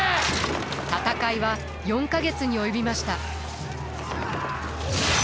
戦いは４か月に及びました。